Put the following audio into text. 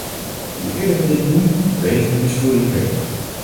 Hoe eerder we dit doen, hoe beter het is voor iedereen.